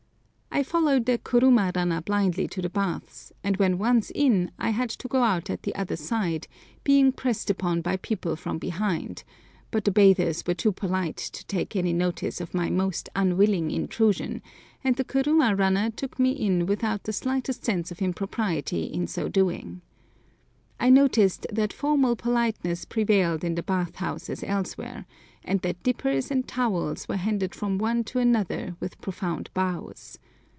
I followed the kuruma runner blindly to the baths, and when once in I had to go out at the other side, being pressed upon by people from behind; but the bathers were too polite to take any notice of my most unwilling intrusion, and the kuruma runner took me in without the slightest sense of impropriety in so doing. I noticed that formal politeness prevailed in the bath house as elsewhere, and that dippers and towels were handed from one to another with profound bows.